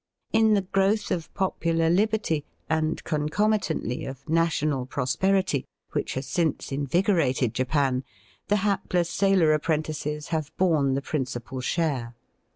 In the growth of popular liberty, and, concomitantly, of national pro sperity, which has since invigorated Japan, the hapless sailor apprentices have borne the principal share.